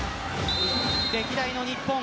歴代の日本